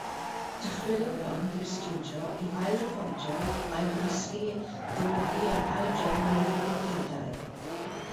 Dychwelodd y band i'r stiwdio i ail-recordio, ailgymysgu, golygu ac ail-drefnu'r recordiadau.